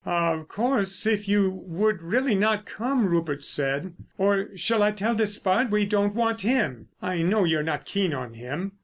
"Of course, if you would really not come," Rupert said; "or shall I tell Despard we don't want him? I know you're not keen on him."